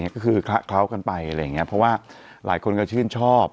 ก็คือคละเคล้ากันไปเพราะว่าหลายคนก็ชื่นชอบ